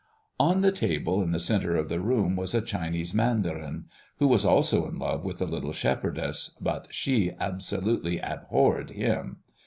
On the table in the centre of the room was a Chinese mandarin, who was also in love with the little shepherdess, but she absolutely abhorred him.